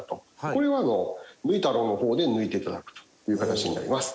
これをぬい太郎の方で抜いていただくという形になります。